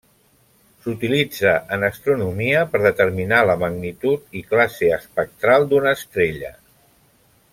S'utilitza en astronomia per determinar la magnitud i classe espectral d'una estrella.